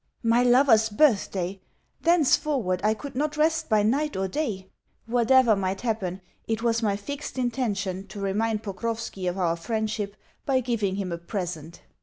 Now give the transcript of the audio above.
My lover's birthday! Thenceforward, I could not rest by night or day. Whatever might happen, it was my fixed intention to remind Pokrovski of our friendship by giving him a present.